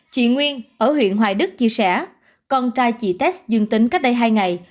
chị nguyên ở huyện hoài đức chia sẻ con trai chị test dương tính cách đây hai ngày